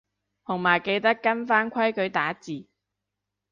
同埋記得跟返規矩打字